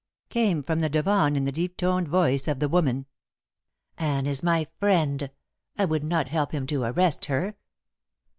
came from the divan in the deep toned voice of the woman. "Anne is my friend. I would not help him to arrest her."